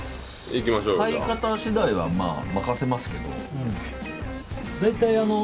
買い方は任せますけど。